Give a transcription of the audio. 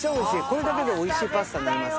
これだけでおいしいパスタになります。